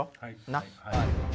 なっ。